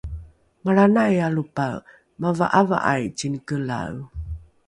malranai alopae mava’ava’ai cinekelae